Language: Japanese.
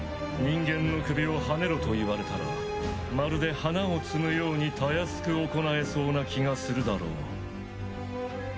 人間の首をはねろと言われたらまるで花を摘むようにたやすく行えそうな気がするだろう？